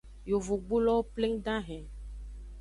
Yovogbulowo pleng dahen.